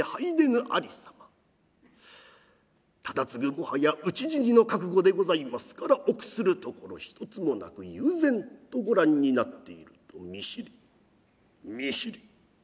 もはや討ち死にの覚悟でございますから臆するところ一つもなく悠然とご覧になっているとみしりみしり。